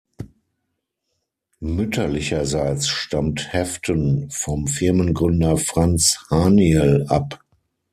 Mütterlicherseits stammt Haeften vom Firmengründer Franz Haniel ab.